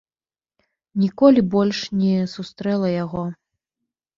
Ніколі больш не сустрэла яго.